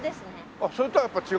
あっそれとはやっぱ違うの？